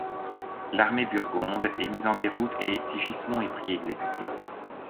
L'armée burgonde est mise en déroute et Sigismond est pris et exécuté.